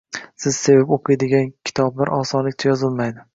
Siz sevib o‘qiydigan kitoblar osonlikcha yozilmaydi